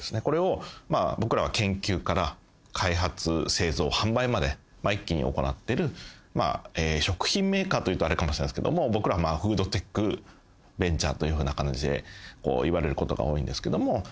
これを僕らは研究から開発製造販売まで一気に行ってる食品メーカーというとあれかもしれないですけども僕らはフードテックベンチャーというふうな感じで言われることが多いんですけども。